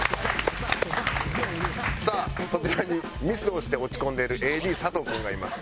さあそちらにミスをして落ち込んでいるＡＤ佐藤君がいます。